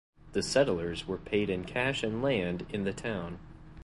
The settlers were paid in cash and land in the town.